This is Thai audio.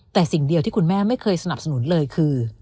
แต่สิ่งเดียวที่คุณแม่ไม่เคยสนับสนุนเลยคือ